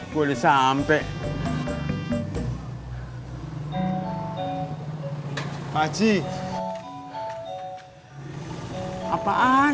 kayaknya pria richtig kan